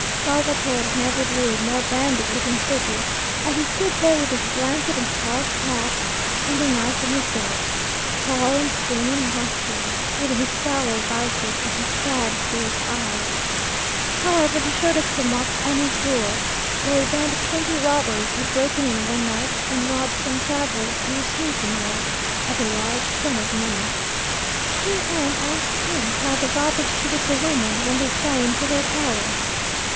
Salvator never drew a more bandit looking figure, as he stood there with his blanket and slouched hat, and a knife in his belt, tall and thin and muscular, with his sallow visage and his sad, fierce eyes. However, he showed us the marks on his door, where a band of twenty robbers had broken in one night, and robbed some travellers, who were sleeping there, of a large sum of money. C n asked him how the robbers treated the women when they fell into their power.